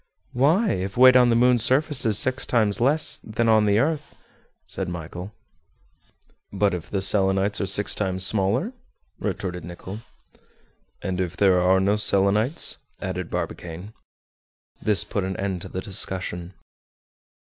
"Why? if weight on the moon's surface is six times less than on the earth?" said Michel. "But if the Selenites are six times smaller?" retorted Nicholl. "And if there are no Selenites?" added Barbicane. This put an end to the discussion.